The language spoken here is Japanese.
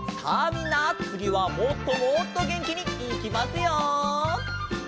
みんなつぎはもっともっとげんきにいきますよ。